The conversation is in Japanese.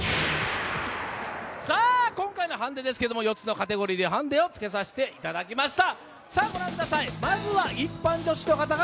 今回のハンデですけども４つのカテゴリーでハンデをつけさせてもらいました。